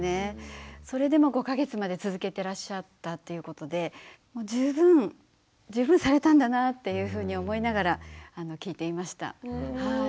それでも５か月まで続けていらっしゃったということでもう十分十分されたんだなっていうふうに思いながら聞いていました。